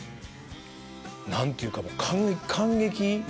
何て言うか感激。